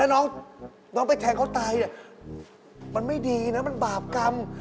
น้องไปแทงเขาตายมันไม่ดีนะมันบาปกรรม